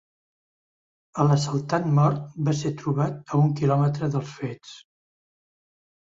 El assaltant mort va ser trobat a un quilòmetres dels fets.